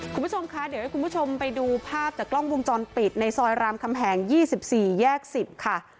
คุณผู้ชมคะเดี๋ยวให้คุณผู้ชมไปดูภาพจากกล้องวงจรปิดในซอยรามคำแหง๒๔แยก๑๐ค่ะ